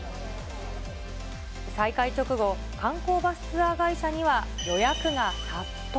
再開直後、観光バスツアー会社には、予約が殺到。